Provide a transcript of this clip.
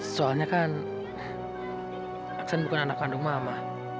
soalnya kan aksen bukan anak kandung mama